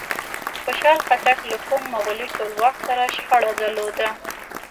خوشحال خټک له کوم مغولي ټولواک سره شخړه درلوده؟